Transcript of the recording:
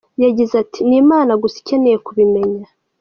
Yagize ati “Ni Imana gusa ikeneye kubimenya.